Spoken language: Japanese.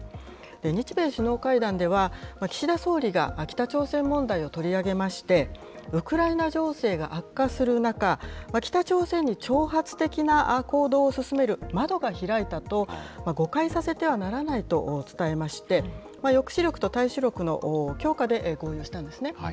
日米首脳会談では、岸田総理が北朝鮮問題を取り上げまして、ウクライナ情勢が悪化する中、北朝鮮に挑発的な行動をすすめる窓が開いたと誤解させてはならないと伝えまして、抑止力と対処力の強化で合意をしたんですね。